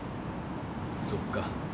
そっか。